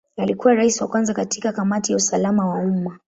Alikuwa Rais wa kwanza katika Kamati ya usalama wa umma.